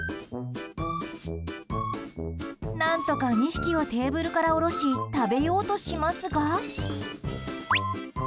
何とか２匹をテーブルから下ろし食べようとしますが。